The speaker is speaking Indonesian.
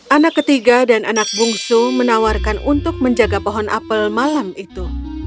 anak ketiga dan anak bungsu menawarkan untuk menjaga pohon apel malam itu